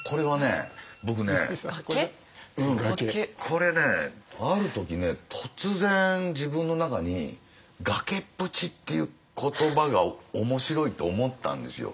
これねある時突然自分の中に「崖っぷち」っていう言葉が面白いと思ったんですよ。